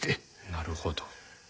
なるほど。